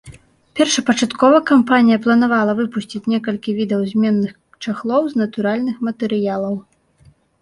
Першапачаткова кампанія планавала выпусціць некалькі відаў зменных чахлоў з натуральных матэрыялаў.